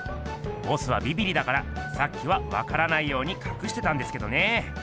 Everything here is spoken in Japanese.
ボスはびびりだからさっきはわからないようにかくしてたんですけどね。